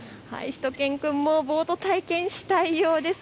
しゅと犬くんも、ボート体験したいようです。